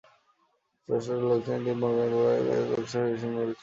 ষোড়শ লোকসভা নির্বাচনে তিনি বনগাঁ লোকসভা কেন্দ্রের লোকসভা সদস্য হিসেবে নির্বাচিত হন।